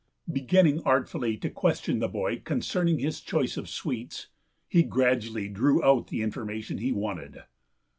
Beginning artfully to question the boy concerning his choice of sweets, he gradually drew out the information he wanted.